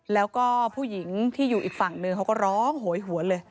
แล้วก็ผู้หญิงที่อยู่อีกฝั่งหนึ่งเขาก็ร้องโหยหวนเลย